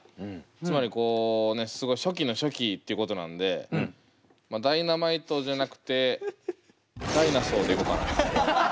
つまりこうねすごい初期の初期っていうことなんで「Ｄｙｎａｍｉｔｅ」じゃなくて「Ｄｉｎｏｓａｕｒ」でいこうかなと。